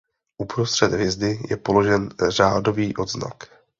Uprostřed hvězdy je položen řádový odznak.